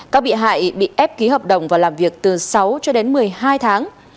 các bị hại bị ép ký hợp đồng và làm việc từ sáu cho đến một mươi hai tháng